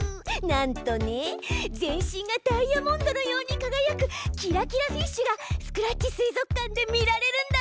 なんとね全身がダイヤモンドのようにかがやくキラキラフィッシュがスクラッチ水族館で見られるんだって！